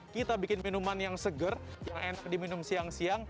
kita bikin minuman yang seger yang enak diminum siang siang